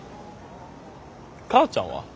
母ちゃんは？